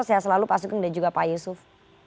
sehat selalu pak asukeng dan juga pak yusuf